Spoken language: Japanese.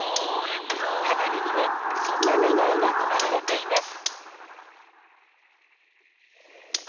花火にはそんな願いが込められています。